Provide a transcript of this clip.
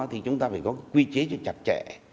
thì chúng ta phải có quy chế chặt chẽ